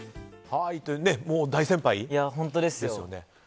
大先輩ですよね。